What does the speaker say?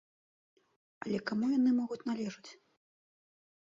Але каму яны могуць належаць?